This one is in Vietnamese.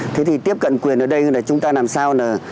thế thì tiếp cận quyền ở đây là chúng ta làm sao là